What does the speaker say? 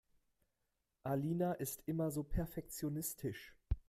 Alina ist immer so perfektionistisch.